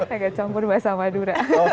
agak campur bahasa madura